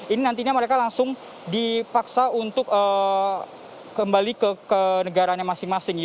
ini nantinya mereka langsung dipaksa untuk kembali ke negaranya masing masing